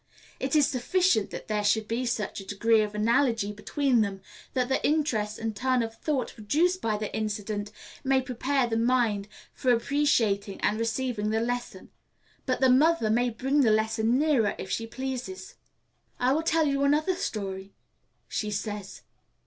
It is sufficient that there should be such a degree of analogy between them, that the interest and turn of thought produced by the incident may prepare the mind for appreciating and receiving the lesson. But the mother may bring the lesson nearer if she pleases. "I will tell you another story," she says.